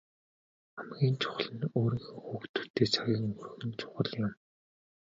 Хамгийн чухал нь өөрийнхөө хүүхдүүдтэйгээ цагийг өнгөрөөх нь чухал юм.